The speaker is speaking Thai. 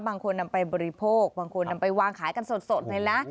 บางคนนำไปบริโภคบางคนนำไปวางขายกันสดเลยนะ